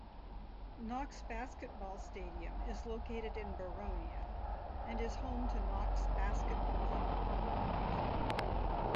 Knox Basketball Stadium is located in Boronia and is home to Knox Basketball Incorporated.